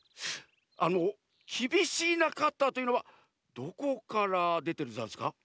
あのきびしいなカッターというのはどこからでてるざんすか？